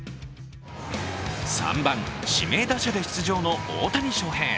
３番・指名打者で出場の大谷翔平。